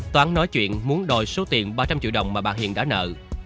toán nói chuyện muốn đòi số tiền ba trăm linh triệu đồng mà bà hiền đã nợ